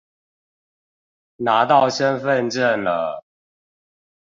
拿到身分證了